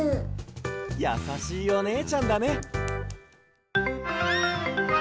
やさしいおねえちゃんだね。